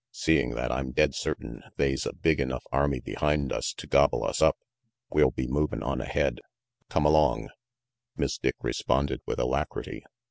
"Seeing that I'm dead certain they's a big enough army behind us to gobble us up, we'll be movin' on ahead. Come along." Miss Dick responded with alacrity.